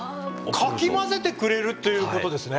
かき混ぜてくれるということですね？